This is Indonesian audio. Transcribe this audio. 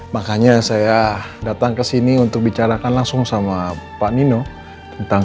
makanya saya datang ke sini untuk bicarakan langsung sama pak nino tentang